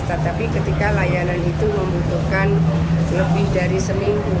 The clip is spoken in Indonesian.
tetapi ketika layanan itu membutuhkan lebih dari seminggu